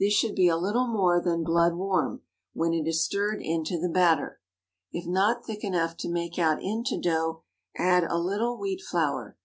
This should be a little more than blood warm when it is stirred into the batter. If not thick enough to make out into dough, add a little wheat flour.